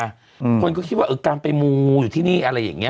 อืมคนก็คิดว่าเออการไปมูอยู่ที่นี่อะไรอย่างเงี้